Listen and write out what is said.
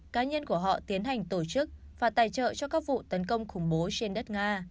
cá nhân của họ tiến hành tổ chức và tài trợ cho các vụ tấn công khủng bố trên đất nga